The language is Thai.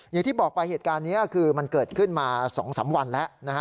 อย่างที่บอกไปเหตุการณ์นี้คือมันเกิดขึ้นมา๒๓วันแล้วนะฮะ